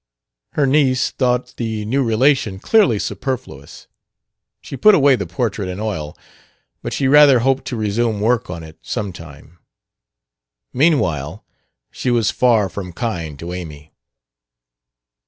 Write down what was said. Her niece thought the new relation clearly superfluous. She put away the portrait in oil, but she rather hoped to resume work on it, some time. Meanwhile, she was far from kind to Amy.